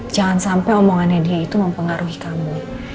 jangan sampai omongannya dia itu mempengaruhi kamu